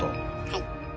はい。